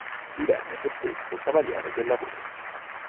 Divenne per questo Cavaliere del Lavoro.